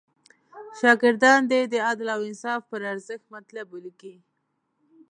شاګردان دې د عدل او انصاف پر ارزښت مطلب ولیکي.